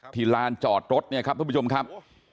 ลานจอดรถเนี่ยครับทุกผู้ชมครับ